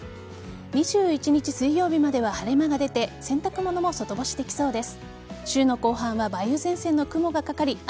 ２１日水曜日までは晴れ間が出て洗濯物も外干しできそうです。